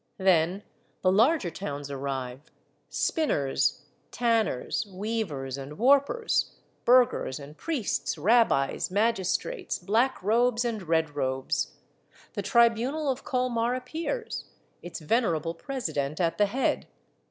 Then the larger towns arrive, spinners, tanners, weavers and warpers, burghers and priests, rabbis, magistrates, black robes and red robes. The tribunal of Colmar appears, its venerable president at the head.